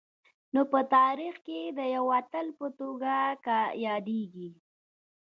نو په تاریخ کي د یوه اتل په توګه یادیږي